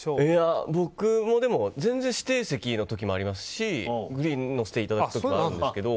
僕も全然指定席の時もありますしグリーン、乗せていただく時もあるんですけど。